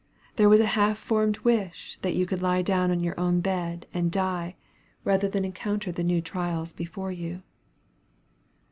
There was a half formed wish that you could lie down on your own bed, and die, rather than encounter the new trials before you.